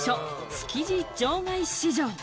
・築地場外市場。